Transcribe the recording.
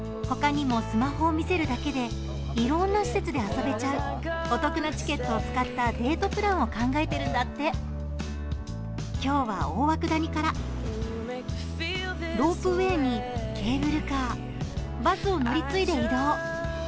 他にもスマホを見せるだけでいろんな施設で遊べちゃうお得なチケットを使ったデートプランを考えてるんだって今日は大涌谷からロープウェイにケーブルカー、バスを乗り継いで移動。